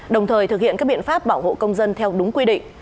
đồng thời thực hiện các biện pháp bảo hộ công dân theo đúng quy định